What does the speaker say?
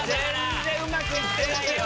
全然うまくいってないよ。